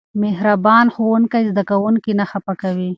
مهربان ښوونکی زده کوونکي نه خفه کوي.